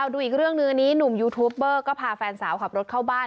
ดูอีกเรื่องหนึ่งอันนี้หนุ่มยูทูปเบอร์ก็พาแฟนสาวขับรถเข้าบ้าน